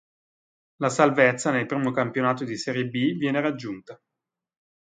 La salvezza nel primo campionato di serie B viene raggiunta.